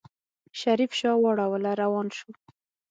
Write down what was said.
شريف شا واړوله روان شو.